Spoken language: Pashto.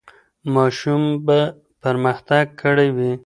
ماشوم به پرمختګ کړی وي.